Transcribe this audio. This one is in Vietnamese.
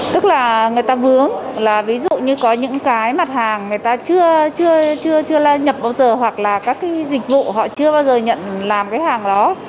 tức là người ta vướng là ví dụ như có những cái mặt hàng người ta chưa nhập bao giờ hoặc là các cái dịch vụ họ chưa bao giờ nhận làm cái hàng đó